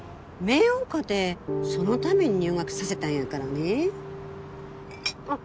明王かてそのために入学させたんやからね。